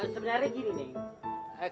sebenarnya gini nih